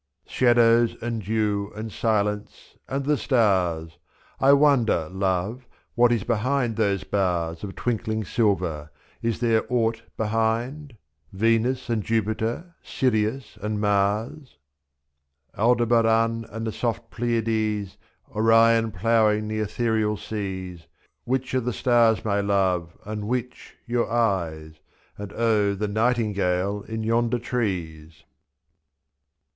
Shadows, and dew, and silence, and the stars — I wonder, love, what is behind those bars j2^.r.Of twinkling silver — is there aught behind ?— Venus and Jupiter, Sirius and Mars; Aldebaran and the soft Pleiades, Orion ploughing the ethereal seas; — 2 ft. Which are the stars, my love, and which your eyes ? And O the nightingale in yonder trees